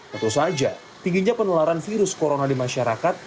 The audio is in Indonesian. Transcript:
tentu saja tingginya penularan virus corona di masyarakat